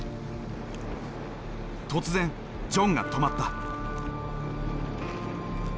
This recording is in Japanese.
突然ジョンが止まった。